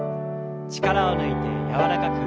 力を抜いて柔らかく。